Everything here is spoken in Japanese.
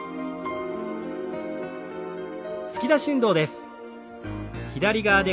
突き出し運動です。